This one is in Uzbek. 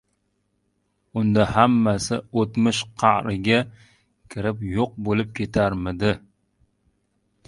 unda hammasi o‘tmish qa’riga kirib yo‘q bo‘lib ketarmidi;